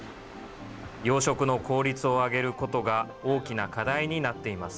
養殖の効率を上げることが大きな課題になっています。